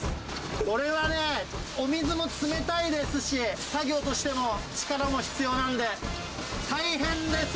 これはね、お水も冷たいですし、作業としても、力も必要なんで、大変です。